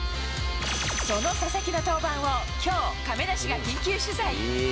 その佐々木の登板をきょう、亀梨が緊急取材。